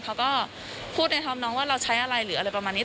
เขาก็พูดในธรรมน้องว่าเราใช้อะไรหรืออะไรประมาณนี้